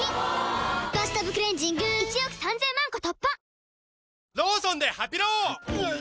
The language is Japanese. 「バスタブクレンジング」１億３０００万個突破！